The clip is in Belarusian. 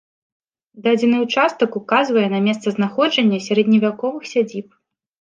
Дадзены ўчастак указвае на месца знаходжання сярэдневяковых сядзіб.